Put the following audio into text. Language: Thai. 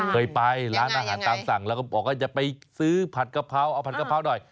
เคยไปร้านอาหารตามสั่งแล้วก็บอกว่าจะไปซื้อผัดกะเพราเอาผัดกะเพราหน่อย